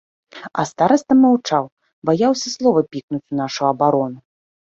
А стараста маўчаў, баяўся слова пікнуць у нашу абарону.